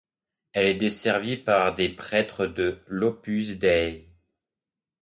Elle est desservie par des prêtres de l'Opus Dei.